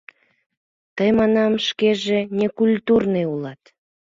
Тый, — манам, — шкеже некультурный улат!